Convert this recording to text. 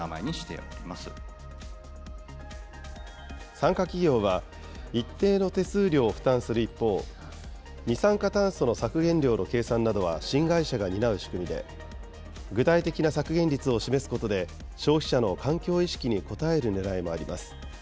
参加企業は、一定の手数料を負担する一方、二酸化炭素の削減量の計算などは新会社が担う仕組みで、具体的な削減率を示すことで、消費者の環境意識に応えるねらいもあります。